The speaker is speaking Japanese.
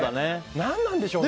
何なんでしょうね。